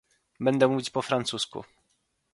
Będę mówić po francusku